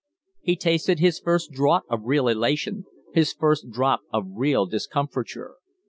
He tasted his first draught of real elation, his first drop of real discomfiture.